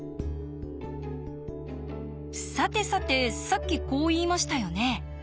さてさてさっきこう言いましたよね。